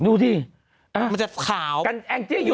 ลืมเบรควะโอ้โฮ